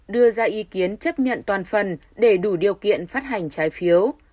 đưa ra ý kiến chấp nhận toàn phần để đủ điều kiện phát hành trái phiếu